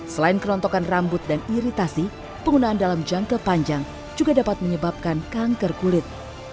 selain kerontokan rambut dan iritasi penggunaan dalam jangka panjang juga dapat menyebabkan kanker kulit